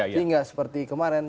ini nggak seperti kemarin